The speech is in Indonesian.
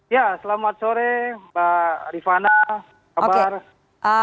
ya selamat sore mbak rifana kabar